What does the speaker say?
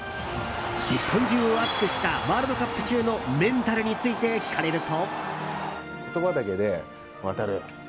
日本中を熱くしたワールドカップ中のメンタルについて聞かれると。